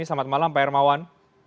selamat malam pak hermawan